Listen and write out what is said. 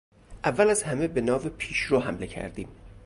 اول از همه به ناو پیشرو حمله کردیم.